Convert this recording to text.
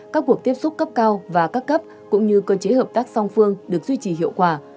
các cuộc tiếp xúc cấp cao và các cấp cũng như cơ chế hợp tác song phương được duy trì hiệu quả